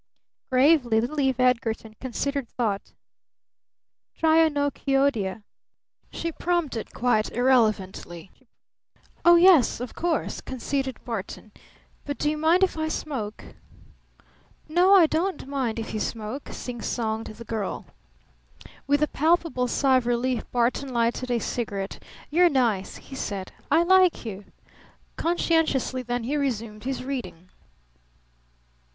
Gravely little Eve Edgarton considered the thought. "Trionychoidea," she prompted quite irrelevantly. "Oh, yes of course," conceded Barton. "But do you mind if I smoke?" "No, I don't mind if you smoke," singsonged the girl. With a palpable sigh of relief Barton lighted a cigarette. "You're nice," he said. "I like you!" Conscientiously then he resumed his reading.